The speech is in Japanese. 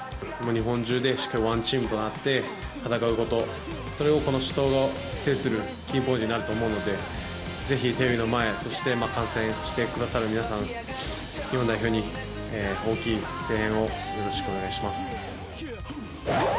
日本中でしっかりワンチームとなって戦うこと、それがこの死闘を制するキーポイントになると思うので、ぜひテレビの前、そして観戦してくださる皆さん、日本代表に大きい声援をよろしくお願いします。